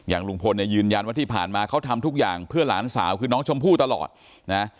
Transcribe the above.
ลุงพลเนี่ยยืนยันว่าที่ผ่านมาเขาทำทุกอย่างเพื่อหลานสาวคือน้องชมพู่ตลอดนะ